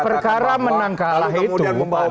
perkara menang kalah itu